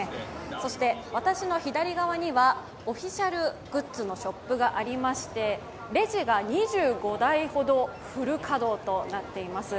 そして、私の左側にはオフィシャルグッズのショップがありまして、レジが２５台ほどフル稼働となっています。